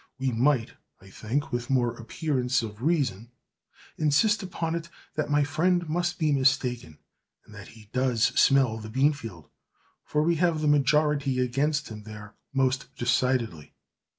We might, I think, with more appearance of reason, insist upon it that my friend must be mistaken, and that he does smell the beanfield, for we have the majority against him there most decidedly.